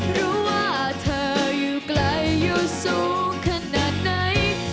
รู้ว่าเธออยู่ไกลอยู่สูงขนาดไหน